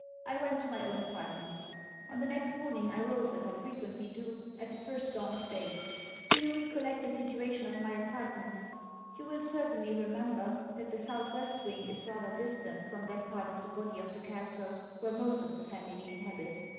I went to my own apartments. On the next morning, I rose as I frequently do, at the first dawn of day Do you recollect the situation of my apartments? You will certainly remember, that the south west wing is rather distant from that part of the body of the castle where most of the family inhabit.